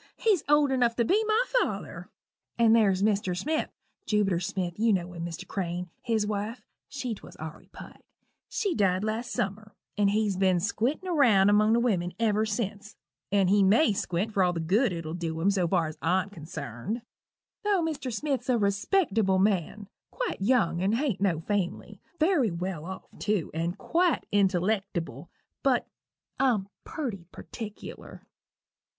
he's old enough to be my father. And there's Mr. Smith Jubiter Smith; you know him, Mr. Crane his wife (she 'twas Aurory Pike) she died last summer, and he's ben squintin' round among the wimmin ever since, and he may squint for all the good it'll dew him so far as I'm consarned tho' Mr. Smith's a respectable man quite young and hain't no family very well off, tew, and quite intellectible but I'm purty partickler.